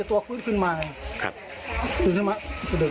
ตัวแข็ง